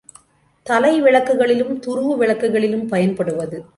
தலை விளக்குகளிலும் துருவுவிளக்குகளிலும் பயன்படுவது.